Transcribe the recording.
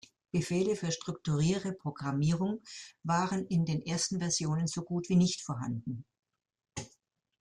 Befehle für strukturierte Programmierung waren in den ersten Versionen so gut wie nicht vorhanden.